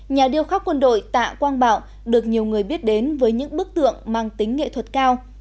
nhà điêu khắc quân đội tạ quang bảo được nhiều người biết đến với những bức tượng mang tính nghệ thuật cao